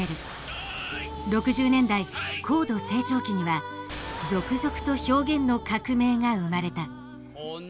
６０年代高度成長期には続々と表現の革命が生まれた。